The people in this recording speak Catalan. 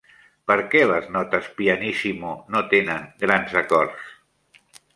Per què les notes pianissimo no tenen grans acords?